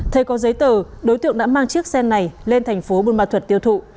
thay có giấy tờ đối tượng đã mang chiếc xe này lên thành phố bùn bà thuật tiêu thụ